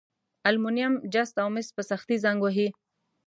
المونیم، جست او مس په سختي زنګ وهي.